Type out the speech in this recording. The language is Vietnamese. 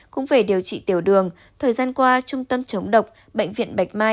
cũng về điều trị tiểu đường thời gian qua trung tâm chống độc bệnh viện bạch mai